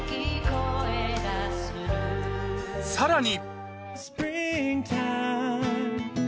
さらに